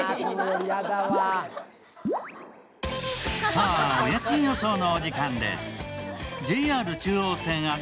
さぁ、お家賃予想のお時間です。